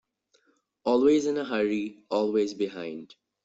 Always in a hurry, always behind.